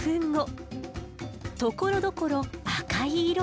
ところどころ赤い色も。